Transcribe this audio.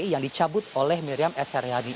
yang dicabut oleh miriam s haryadi